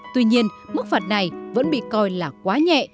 tuy nhiên mức phạt này vẫn bị coi là quá nhẹ